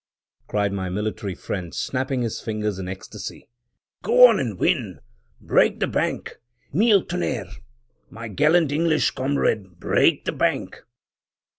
cried my military friend, snapping his fingers in ecstasy —"Go on, and win! Break the bank — Mille tonnerres! my gallant English comrade, break the bank!"